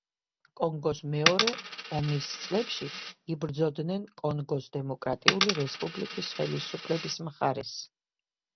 კონგოს მეორე ომის წლებში იბრძოდნენ კონგოს დემოკრატიული რესპუბლიკის ხელისუფლების მხარეს.